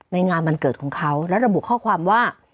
งานวันเกิดของเขาและระบุข้อความว่า